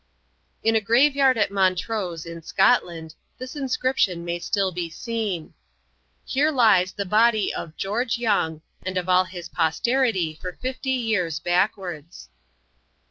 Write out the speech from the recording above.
In a grave yard at Montrose, in Scotland, this inscription may still be seen: "Here lies the Body of George Young And of all his posterity for fifty years backwards."